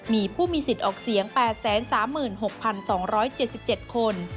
มีผู้มีสิทธิ์ออกเสียง๘๓๖๒๗๗คน